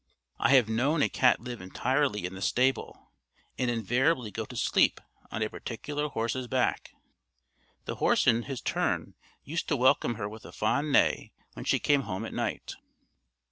I have known a cat live entirely in the stable, and invariably go to sleep on a particular horse's back; the horse in his turn used to welcome her with a fond neigh when she came home at night.